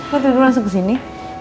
kok duduk langsung kesini